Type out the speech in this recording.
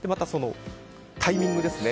タイミングですね。